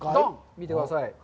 見てください。